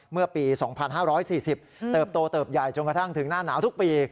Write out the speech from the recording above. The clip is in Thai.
เมื่อปี๒๕๔๐เติบโตเติบใหญ่จนกระทั่งถึงหน้าหนาวทุกปี